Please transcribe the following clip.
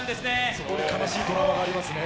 そこで悲しいドラマがありますね。